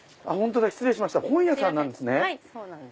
失礼しました本屋さんなんですね。